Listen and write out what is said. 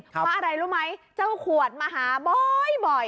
เพราะอะไรรู้ไหมเจ้าขวดมาหาบ่อย